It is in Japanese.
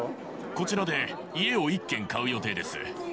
こちらで家を１軒買う予定です。